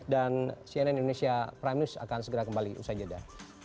dan cnn indonesia prime news akan segera kembali usai jeda